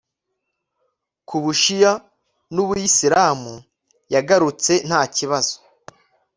ku Bashiya nUbuyisilamu Yagarutse nta kibazo